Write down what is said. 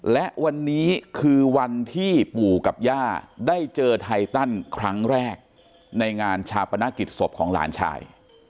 และวันนี้คือวันที่ปู่กับย่าได้เจอไทตันครั้งแรกในงานชาปนกิจศพของหลานชาย